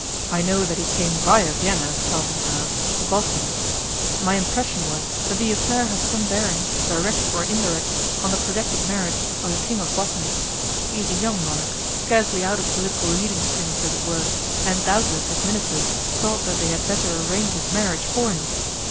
I know that he came via Vienna from em Bosnia. My impression was that the affair had some bearing, direct or indirect, on the projected marriage of the King of Bosnia. He is a young monarch, scarcely out of political leading strings, as it were, and doubtless his Ministers thought that they had better arrange his marriage for him.